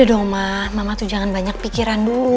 udah dong ma mama tuh jangan banyak pikiran dulu